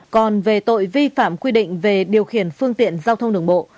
còn về tội vi phạm quy định về điều khiển phương tiện giao thông đường bộ